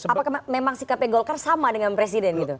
apakah memang sikapnya golkar sama dengan presiden gitu